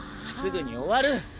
すぐに終わる。